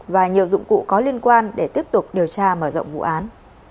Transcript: và nhiều dụng cụ có liên quan để tiếp tục điều tra mở rộng vụ án